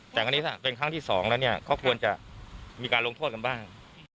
แต่วันนี้เป็นครั้งที่สองแล้วเขาควรจะมีการลงโทษกันบ้าง